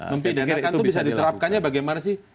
mempidanakan itu bisa diterapkannya bagaimana sih